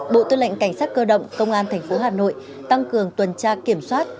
bộ tư lệnh cảnh sát cơ động công an tp hà nội tăng cường tuần tra kiểm soát